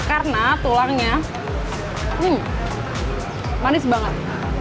karena tulangnya hmm manis banget